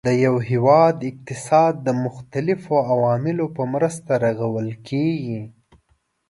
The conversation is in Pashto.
د یو هیواد اقتصاد د مختلفو عواملو په مرسته رغول کیږي.